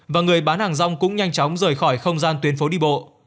và người bán hàng rong cũng nhanh chóng rời khỏi không gian tuyến phố đi bộ